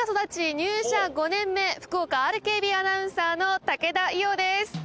入社５年目福岡ＲＫＢアナウンサーの武田伊央です